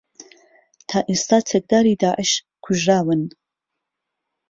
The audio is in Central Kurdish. تا ئێستا چەکداری داعش کوژراون